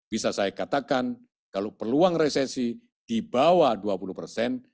bisa saya katakan kalau peluang resesi di bawah dua puluh persen